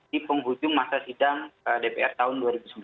di penghujung masa sidang dpr tahun dua ribu sembilan belas